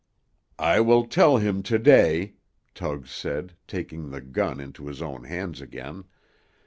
"I will tell him to day," Tug said, taking the gun into his own hands again.